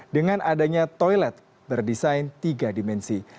dengan adanya toilet berdesain tiga dimensi